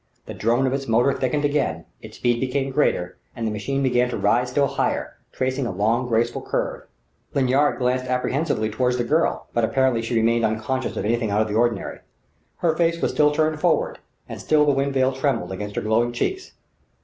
The drone of its motor thickened again, its speed became greater, and the machine began to rise still higher, tracing a long, graceful curve. Lanyard glanced apprehensively toward the girl, but apparently she remained unconscious of anything out of the ordinary. Her face was still turned forward, and still the wind veil trembled against her glowing cheeks.